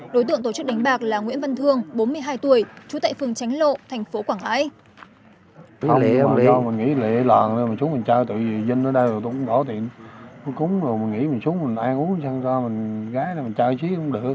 đối tượng tổ chức đánh bạc là nguyễn văn thương bốn mươi hai tuổi trú tại phường tránh lộ thành phố quảng ngãi